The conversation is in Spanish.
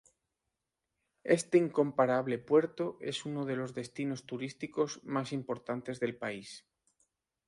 Este incomparable puerto es uno de los destinos turísticos más importantes del país.